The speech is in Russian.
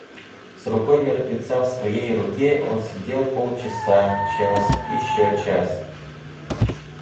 С рукой мертвеца в своей руке он сидел полчаса, час, еще час.